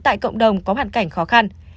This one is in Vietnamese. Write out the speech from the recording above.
tại cộng đồng có hoàn cảnh khó khăn